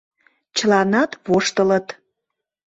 Чыланат воштылыт.